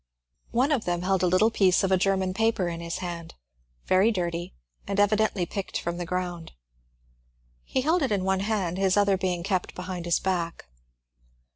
One of them held a little piece of a German paper in his hand, very dirty, and evidently picked from the ground. He held it in one hand, his other being kept behind liis back.